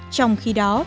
trong khi đó